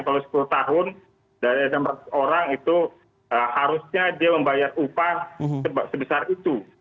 kalau sepuluh tahun dari enam ratus orang itu harusnya dia membayar upah sebesar itu